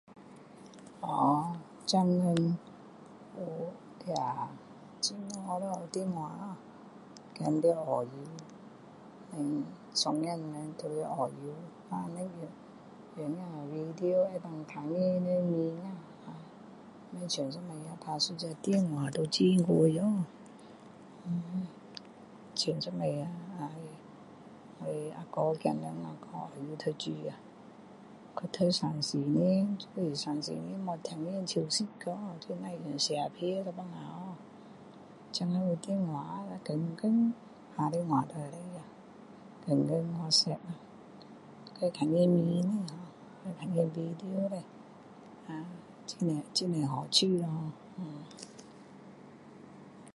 哦现今有那很好哦有电话哦孩子在澳洲孙子们都在澳洲然后那用video能够看他们的脸啊不像以前打一个电话都很贵哦像以前啊我阿哥孩子去澳洲读书啊去读三四年就是三四年没听见消息哦就是那是用写信哦有时候现今有电话天天打电话都可以啊天天WhatsApp还可以看见脸哦还可以看见video叻哈很多很多好处哦呃